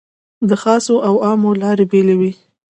د خاصو او عامو لارې بېلې وې.